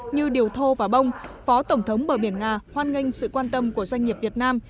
như điều thô và bông phó tổng thống bờ biển nga hoan nghênh sự quan tâm của doanh nghiệp việt nam